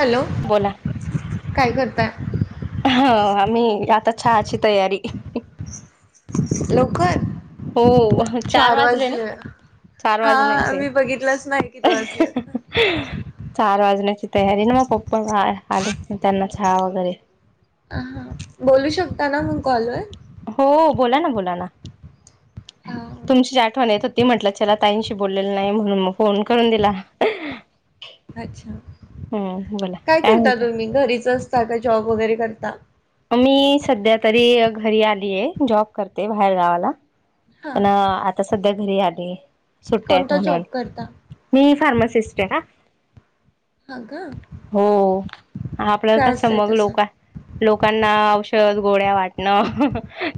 Hello बोला काय करताय. ह आम्ही आता चहाची तयारी. काय. हो चार वाजले ना चार वाज नाही हा ते. मी बघितलंच नाही किती वाजलेत. चार वाजण्याची तयारी ना मग पपा आले. त्यांना चहा वगैरे. अ हा, बोलू शकता ना मग कॉलवर? हो बोला ना बोला ना हा तुमची आठवण येत हो ती, म्हंटलं चला ताईंशी बोललेलं नाही म्हणून म फोन करून दिला. अच्छा हम्म बोला काय करता म्हणता तुम्ही घरीच असता का जॉब वगैरे करता. मी सध्या तरी घरी आलीय जॉब करते बाहेर गावाला. हा पण आता सध्या घरी आली सुट्ट्यात कोणता जॉब म्हणून करता मी फार्मसी सिस्ट ह. ह का. हो आपलं काय कसं असतंय मग तसं लोक लोकांना औषध, गोळ्या वाटणं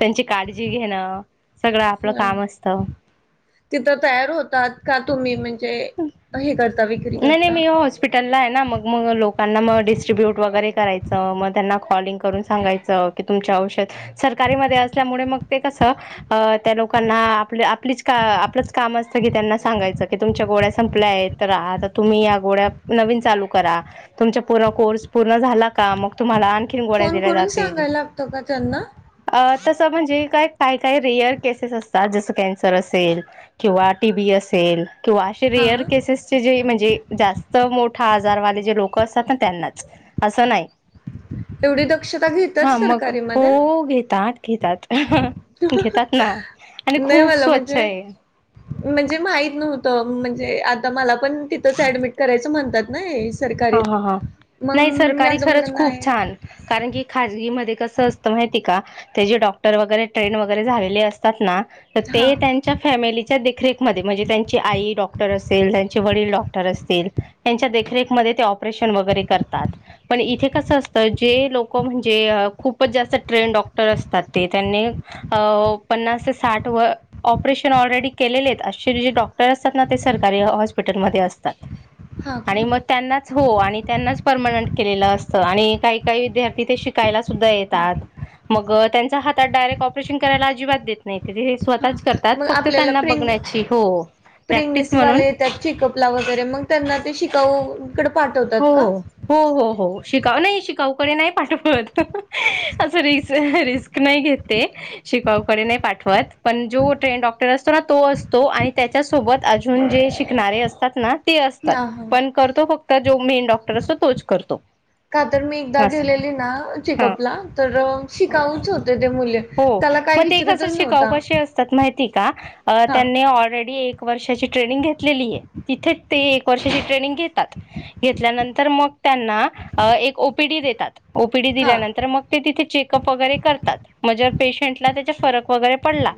त्यांची काळजी घेणं, सगळं ह काम असतं तिथं तयार होतात का तुम्ही म्हणजे हे कर, नाही नाही मी हॉस्पिटलला आहे ना मग मग लोकांनाग डिस्ट्रीब्यूट वगैरे, करायचं म त्यांना कॉलंग करून सांगाय क तुम औषध सकारी मध्ये असल्यामुळे मग ते कस, त्या लोकांना आप आप आपलच काम असतं की त्यांना सांगायच तुमच्या गोळ्या संपलं आहे तर आज तुम्ही या गोड्या नवीन चालू करा तुमचा पू कोर्स पूर्ण झाला का मग तुम्हाला गोळ्या फोन दिल्या करून जातील सांगायला लागतो का त्यांना तसं म्हणजे काय काही काही रेअर केसेस असतात जसं कॅन्सर असेल किंवा टीबी असेल किंवा असे हा रेअर केसेसचे जे म्हणजे जास्त मोठा आजारवाले जे लोक असतात ना त्यांनाच असं नाही एवढी दक्षता घेतात हा मग सरकारीमध्ये हो घेतात घेतात घेतात ना आणि नाही खूप मला स्वच्छ म्हणजे आहे म्हणजे माहीत नव्हत म्हणजे आता मला पण तिथंच ऍडमिट करायचं म्हणतात ना हा सरकारीत. ह ह मग नाही मी सरकारी माझं खरच म्हणणं नाही खूप छान कारण की खाजगी म असत माहि का त्या डॉक्टर वगैरे ट्रेन वगैरे झालेले असतात ना तर ते हां त्यांच्या फॅमिलीच्या देखरेखमध्ये म्हणजे त्यांची आई डॉक्टर अस त्यांचे वडील डॉक्टर असतील त्यांच्या देखरेख परेशन वगरेतात पण इथे कस असत जे लोक म्हणजे खप जात ट्रेन डॉक्टर असतात त्यांनी पन्नास ते साठ ऑपरेशन ऑलरेडी असेे डॉक्टर असतात ना ते सरकारी हॉस्पिटलमध्ये असतात हा आणि काण मग त्यांनाच हो आणि त्यांनाच परर्मनंट केलेलं असतं आणि काही काही विद्यार्थी ते शिकायला सुद्धा येतात मग त्यांच्या हात डायरेक्ट ऑपरेशन करायला अजिबात देत नाही हां स्वतःच करतात मग फक्त आपल्याला त्यांना प्रेग बघण्याची हो प्रॅक्टिस म्हणून प्रेग्नेसीवाले येतात चेकअपला वगैरे मग त्यांना ते शिकाव तकड पाठवतात हो का हो हो हो शिकाव नाही शिकाऊकडे नाही पाठवत अस रिस् रिस्क नाही घेते शिकावकडे नाही पाठवत पण जो ट्रेन डॉक्टर असतो ना तो असतो आणि त्याच्यासोबत अजून जे शिकणारे असतात ना ते असतात हां हां. पण करतो फक्त जो मेन डॉक्टर असतो तोच करतो का तर मी एकदा असं आहे गेलेली ना हा चेकअपला तर शिकावूच होते ते मुले हो त्याला काय मग ते विचारतच शिकाऊ नव्हता कसे असतात माहीत आहे का हां त्यांनी ऑलरेडी वर्षाची ट्रनिंग घेतलेली आहे तिथेच ते एक वर्षाची ट्रेनिंग घेतात घेतल्यानंतर मग त्यांना एक ओपीडी देतात ओपीडी हां दिल्यानंतर मग ते तिथे चेकअप वगैरे करतात म्हणजे पेशन्टला त्याच्या फरक वैगरे पडला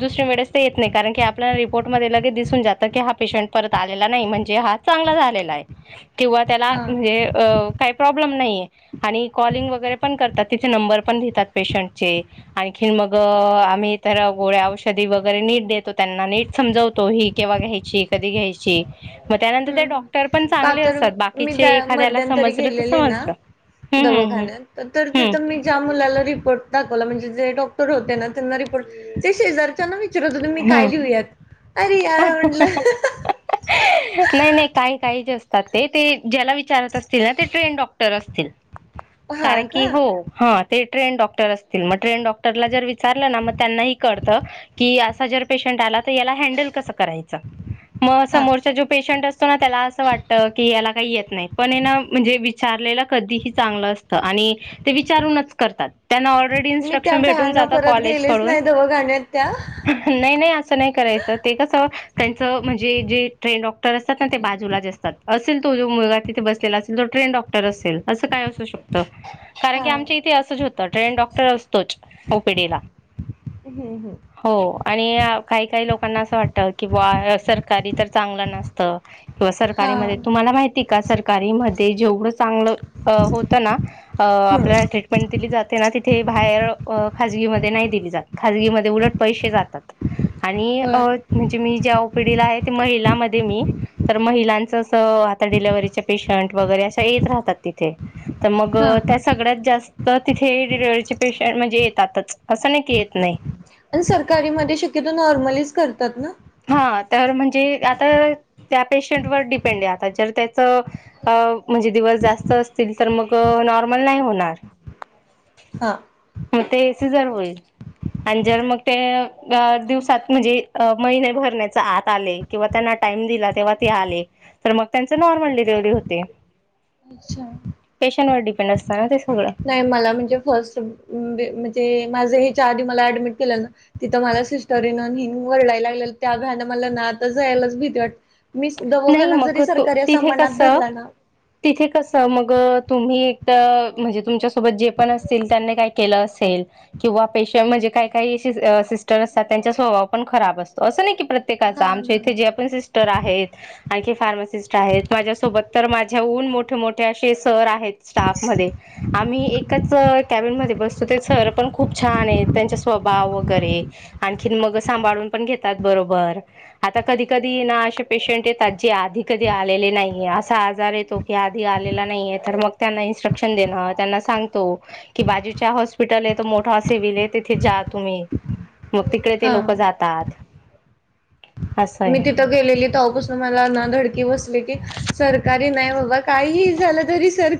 दुसरे मेडिसिन येत नाही कारण आपल्या रीपोर्ट मध्ये जात हा पेशंट परत आलेला नाही म्हणजे हा चांगला झाला किंवा त्याला हां. म्हणजे का प्रॉब्लेम नाही कॉलिग वैगरे पण करतात पेशन्ट चे आम्ही तर गोळ्या औषधी वगैरे नीट देतो त्यांना नीट समजवतो ही केव्हा घ्यायची कधी घ्यायची मग त्यानंतर ते हम्म डॉक् का तर मी त्या मध्यांतरी समजलं तर गेलेली ना समजलं हम्म हम्म दवाखान्या तर हम्म तिथं मी ज्या मुलाला रिपोर्ट म्हणजे जे डॉक्टर होते ना त्यांना रिपोर्ट ते शेजारच्या ना विचारतुम्ही काय हम्म लिहूयात अर याार उनलं नाही नाही काही काही जे असतात ते ते ज्याला विचारत असतील ना ते ट्रेन डॉक्टर असतील हा कारण की का हो हा ते ट्रेन डॉक्टर असतील मग ट्रेन डॉक्टरला विचार त्यांना पण समजत आता याला हॅन्डल कसे करायचे हा समोरचा जो पेशंट असतो ना त्याला असं वाटत की याला काही येत नाही पण ना म्हणजे विचारलेलं धी च विचार त्यांना ऑलरेडी इ्रक्शन भेटून जात डून हो गा नाही नाही असं नाही करायचं ते कस त्यांचं म्हणजे जे ट्रेन डॉक्टर असतात ना ते बाजूलाच असतात अस असेल तो जो मुलगा तिथे बसलेला असे तो ट्रेन डॉक्टर असेल असं काय असू शकतं कारण हा की आमच्या इथे असंच होतं ट्रेन डॉक्टर असतोच ओपीडीला हम्म हम्म हो आणि काही काही लोकांना असं वाटत कि बुआ सरकारी तर चांगलं नसत किंवा हा सरकारी मध्ये तुम्हाला माहिती का सरकारी मध्ये जेवढ चांगलं होत ना आपल्याला हम्म ट्रीटमेंट दिली जाते ना तिथे बाहेर खाजगी मध्ये नाही दिली जात खाजगी मध्ये उलट पैसे जातात आणि अ बर म्हणजे मी ज्या ओ पी डी ला आहे ते मह मी तर महिलांच आ डिव्हीचे पेशंट वगैरे अश्या येत राहतात तिथे तर मग हा त्या सगळ्यात जास्त तर तिथे डिलिव्हरीचे पेशंट म्हणजे येतातच असं नाही की येत नाही आणि सरकारी मध्ये शक्यतो नॉर्मलच करतात ना हा तर म्हणजे आता त्या पेशंटवर डिपेंड आहे आता जर त्याच म्हणजे दिवस जास्त असतील तर मग नॉर्मल नाही होणार हा सिजर होईल आणि जर मग ते दिवसात म्हणजे अ महिने भरण्याचा आत आले किंवा त्यांना टाइम दिला तेव्हा ते आले तर मग त्यांचे नॉर्मल डिलिव्हरी होते अच्छा शिक्षणावर डिपेंड असतं ना ते सगळं नाही मला म्हणजे फर्स्ट म्हणजे माझ हे चार [unintelligible] भीती वाटते नाही मग तो तिथे कस धरला ना तिथे कस मग तुम्ही म्हणजे तुमच्यासोबत जे पण असतील त्यांनी काही केलं असेल किंवा पेशंट म्हणजे काही काही सिस्टर असतात त्यांचा स्वभाव खराब असत असं नाही की प्रत्येकाचा हा आमच्या ना इथे जे आपण सिस्टर आहेत आणखी फार्मासिस्ट आहेत माझ्यासोबत तर माझ्याहून मोठे मोठे असे सर आहेत स्टाफ मध्ये आम्ही एकच कॅबिन मध्ये बसतो ते सर पण खूप छान आहेत त्यांचा स्वभाव वगैरे आणखी मग सांभाळून पण घेतात बरोबर आ कधी कधी ना असे पेशंट येतात जे आधी कधी आलेले नाहीे असा आजार येतो की आधी आलेला नाही आहेे तर मग त्यांना इन्स्ट्रक्शन देणं त्यांना सांगतो की बाजूच्या हॉस्पिटलमध्ये मोठा [unintelligible] तेथे जा तुम्ही मग तिकडे ते हा लोक जातात अस मी आहे तिथं गेलेली मला ना धडकी बसली की सरकारी नाही बाबा काहीही झाल तरी सर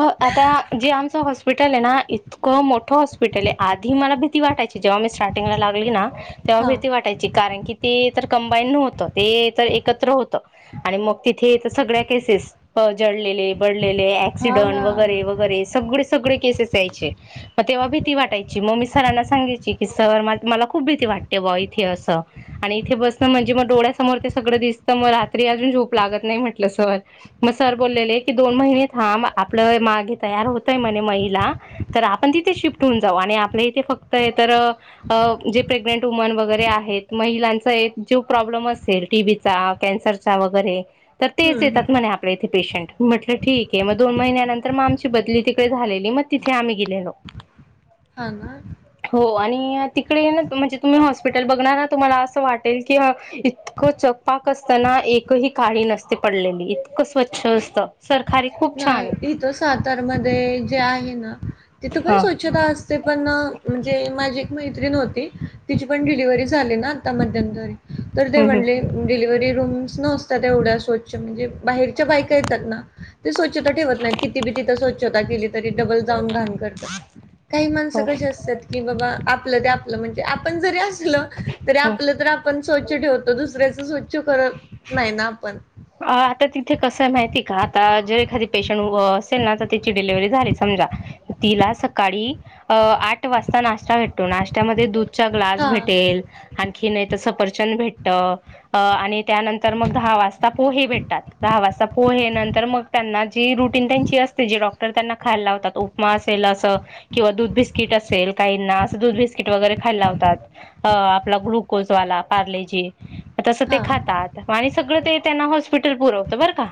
आता जे आमचा हॉस्पिटल आहे ना इतकं मोठं हॉस्पिटल आहे आधी मला भीती वाटयची जेव्हा मी स्टार्टिंगला लागली ना तेव्हा हा भीती वाटायची कारण की ते तर कंबाईड नव्हतं ते तर एकत्र होत आणि मग तिथे सगळ्या केसेस जळलेले बडलेले हा ऍक्सिडंट ना वगैरे वगैरे सगळे सगळे केसेस यायचे मग तेव्हा भीती वाटायची मग मी सरांना सांगायचे की सर मला खूप भीती वाटते इथे अस आणि इथे बसण म्हणजे मग डोळ्या समोर ते सगळं दिसत मग रात्री अजून झोप लागत नाही म्हटलं सर मग सर बोललेले दोन महिने थांब आपलं मागे तयार होतय म्हणे महिला तर आपण तिथे शिफ्ट होऊन जाऊ आणि आणि आपल्या इथे फक्त हे तर जे प्रेग्नेंट वुमन वगैरे आहेत महिलांच जे प्रॉब्लेम असेल टीबीचा कॅन्सरचा वगैरे तर तेच हम्म हम्म येतात म्हणे आपल्या इथे पेशंट म्हटलं ठीक आहे मग दोन महिन्यानंतर मग आमची बदली तिकडे झालेली मग तिथे आम्ही गेलेलो हा ना हो तिकडे ना म्हणजे तुम्ही हॉस्पिटल बघणार तुम्हाला असं वाटेल की इतकं चकपाक असताना एकही काडी नसते पडलेली इतकं स्वच्छ असतं सरकारी खूप छान नाही आहे इथं सातारमध्ये जे आहे ना तिथं पण हा स्वच्छता असते ते पण म्हणजे माझी एक मैत्रीण होती तिची पण डिलिव्हरी झाली ना आता मध्यंतरी तर ते हम्म हम्म म्हटले डिलिवर्ही रूम्स न असतात एवढ्या स्वच्छ म्हणजे बाहेरच्या बायका येतात ना ते स्वचछता ठेवत नाहीत किती बी तिथं स्व्छता केली तर ती डबल जाऊन घाण करता का ही माणसं हो कशी असतात बाबा अँप आपल ते आपल म्हणजे आपण जरी असलं त हम्म आपलं तर आपण स्वचछ ठेवतो दुऱ्याच स्वच्छ करत नाही ना आपण आता तिथे कसं माहितीय का आता जर एखादी पेशंट असेल ना तर त्याची डिलिव्ही झाली समज समजा तिला सकाळी आठ वाजता नाशता भेटतो नाशत्यामध्ये दूध दूध चा ग्लास हां, भेटेल आणखी नाही तर सफरचंद भेटे अ आणि त्यानंतर मग दहा वाजता पोहे भेटतात दहा वाजता प प हे नंतर मग त्यांना जी रुटीन त्यांची असते जे डॉक्टर त्यांना खायला लावतात उपमा असेल अस किंवा दूध बिस्किट असेल काहीना असं दूध बिस्किट वगैरे खायलावतात आपला ग्लुकोज ी तस ते हां. खातात आणि सगळं ते त्यांना हॉस्पिटल पुरवत बर का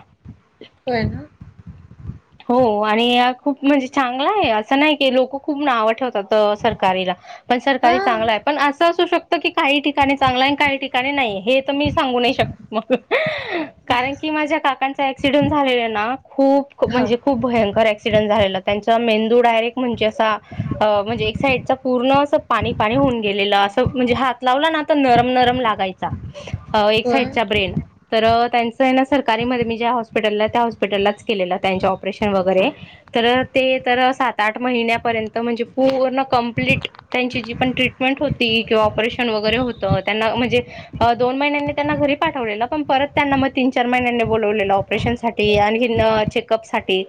हो ना [unintelligible] हो आणि या खूप म्हणजे चांगला आहे असं नाही की लोक खूप आव ठेवतात सरकारीला पण सरकारी हां. चांगलं आहे पण अस असू शकत की काही ठिकाणी चांगलं आणि काही ठिकाणी नाही हे तर मी सांगू नाही शकत मग कारण की माझ्या काकांचा ऍक्सिडेंट झालेला ना खूप हां. म्हणजे खूप भयंकर ऍक्सिडेंट झाले त्यांचा मेंदू डायरेक्ट म्हणजे अस म्हणजे एक साईड पूर्ण अस पाणी पाणी होऊन गेलेलं अस म्हणजे हात लावला नरम नरम लागायचा एक होय? साइडच्या ब्रेन त्यांच सरकारीी ज हॉस्पिटल त्या हॉस्पिटललाच केलेलं त्यां ऑपरेशन वगरे ते तर सात आठ महिन्यापर्यंत म्हणजे पूर्ण कंपलीट त्यांची जी पण्रीटमेंट हो वा ऑपरेशन वर हो म्हण दो महिनी त्यांना घरी पाठव पण परत त्यांना मग तीन चार महि बले ऑपरेशन सा आणि चेकअप साठी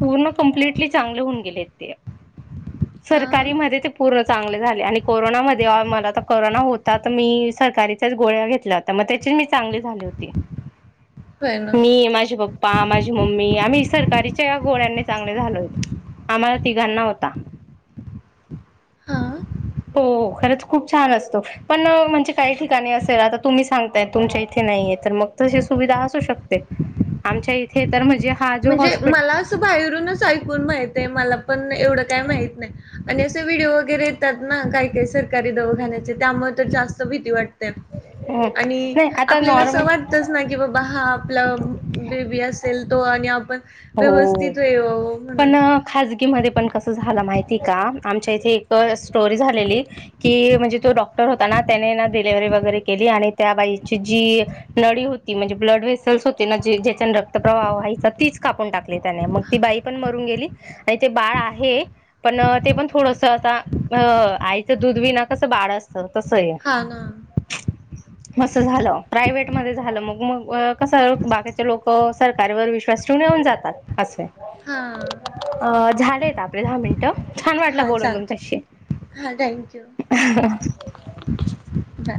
पूर्ण कंप्िटली चांगले होऊन गेले ते [unintelligible] हां. सरकारी मध्ये ते पूर्ण चांगले झाले आणि कोरोनामध्ये मला तर कोरोना होता तर मी सरकारीच्याच गोळ्या घेतल्या होत्या त्याची म चांगली झाली होती होय [inaudible] ना. मी माझ प्पा माझी मम्मी आम सर शकारच्या गोळ्यांनी चांगले झालोय होतो आम्हाला तिघांना होता हा हो खरंच खूप छान असतो पण म्हणजे काही ठिकाणी असेल आता तुम्ही सांगताय तुमच्या इथे नाहीे तर मग तशी सुविधा असू [inaudible] शकते आमच्या इथे तर म्हणजे हा जो म्हणजे मला हॉस्पिटल असं बाहेरूनच ऐकून माहितय मला पण एवढं काही माहत नाही आणि असे व्हिडिओ वगैरे येतात ना काही काही सरकारी दवा घाण्याचे त्यामुळे जास्त भीती वाटते आणि नाही आता आपल्याला असं नॉर्मल वाटतच ना की बाबा हा आपला बेबी अस अलतो आणि आपण हो [inaudible] येवावं म्हणून. पण खजगी म पण कस झालं माहि आमच्या इथे स्टोरी झाली की म्हणजे तो डॉक्टर होता ना त्याने डिलिव्हरी वगरे काली आणि त्या बाई ची जी नळी होती म्हणजे ब्लड बेसिल होता ना जायचा ने रक्त प्रवाह आहे तीच कापून टाकले त्याने मग ती बाई पण मरून गेली आणि ते बाळ आहे पण ते पण थोडस आता अ आईच दूध विना कस बाळ असत तस आहे हां ना. [inaudible] असं झालं प्रायवट मध्ये झालं मग मग कस बाकीचे लोक सरकारीवर विश्वास येऊन जातात असे हां. अ [inaudible] झालेत आपले दहा मिनिटं छान वाटलं हां, बोलून चालतं. तुमच्याशी [inaudible] हां, थँक यू. बाय.